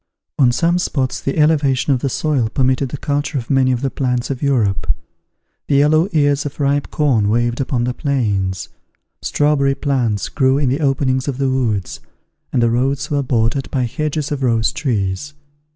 On some spots the elevation of the soil permitted the culture of many of the plants of Europe: the yellow ears of ripe corn waved upon the plains; strawberry plants grew in the openings of the woods, and the roads were bordered by hedges of rose trees.